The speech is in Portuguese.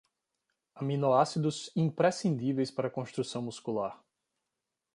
Aminoácidos imprescindíveis para a construção muscular